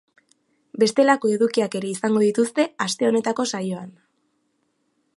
Bestelako edukiak ere izango dituzte aste honetako saioan.